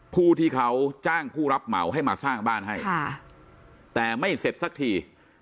ผู้ที่เขาจ้างผู้รับเหมาให้มาสร้างบ้านให้แต่ไม่เสร็จสักที